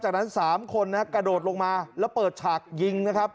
จากนั้น๓คนกระโดดลงมาแล้วเปิดฉากยิงนะครับ